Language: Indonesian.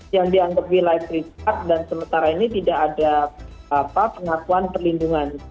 yang dianggap wilayah privat dan sementara ini tidak ada pengakuan perlindungan